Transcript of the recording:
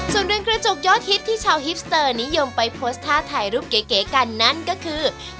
ส่วนเรือนกระจกยอดฮิตที่ชาวฮิปสเตอร์นิยมไปโพสต์ท่าถ่ายรูปเก๋กันนั่นก็คือ